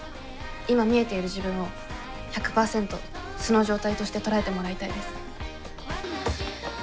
今見えている自分を１００％素の状態として捉えてもらいたいです。